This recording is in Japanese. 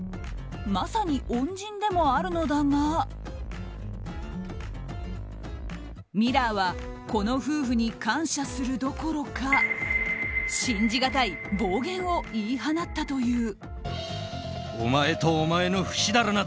まさに恩人でもあるのだがミラーはこの夫婦に感謝するどころか信じがたい暴言を言い放ったという。